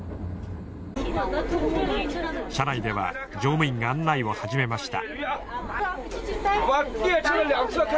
車内では乗務員が案内を始めました。